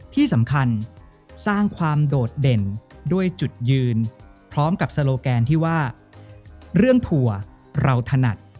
ที่สำคัญสร้างความโดดเด่นด้วยจุดยืนพร้อมกับโซโลแกนที่ว่าเรื่องถั่วเราถนัด